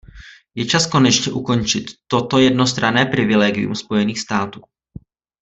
Je čas konečně ukončit toto jednostranné privilegium Spojených států.